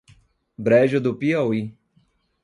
Brejo do Piauí